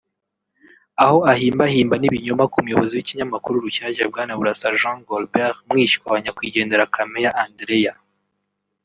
Aho ahimbahimba n’ibinyoma k’umuyobozi w’ikinyamakuru Rushyashya Bwana Burasa Jean Gualbert mwishywa wa Nyakwigendera Kameya Andreya